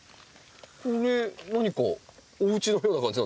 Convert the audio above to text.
これ何かおうちのような感じなんですけど。